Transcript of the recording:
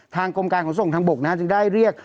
ทางกรมการของส่วนของทางบกนะครับจึงได้เรียก